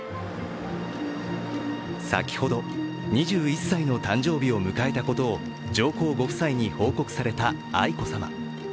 先ほど、２１歳の誕生日を迎えたことを上皇ご夫妻に報告された愛子さま。